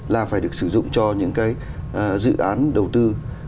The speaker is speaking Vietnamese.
là phải được sử dụng cho những cái dự án đầu tư